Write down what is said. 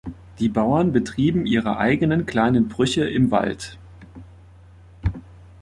Die Bauern betrieben ihre eigenen kleinen Brüche im Wald.